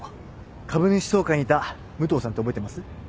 株主総会にいた武藤さんって覚えてます？